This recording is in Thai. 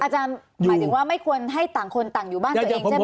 หมายถึงว่าไม่ควรให้ต่างคนต่างอยู่บ้านตัวเองใช่ไหม